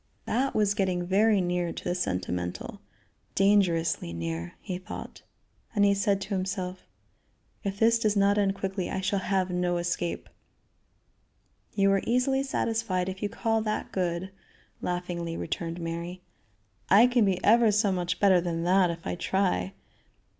That was getting very near to the sentimental; dangerously near, he thought; and he said to himself: "If this does not end quickly I shall have to escape." "You are easily satisfied if you call that good," laughingly returned Mary. "I can be ever so much better than that if I try."